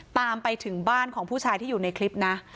ตามไปถึงบ้านของผู้ชายที่อยู่ในคลิปนะ